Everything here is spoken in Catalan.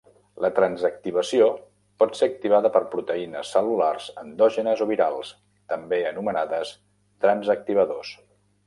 La transactivació pot ser activada per proteïnes cel·lulars endògenes o virals, també anomenades transactivadors.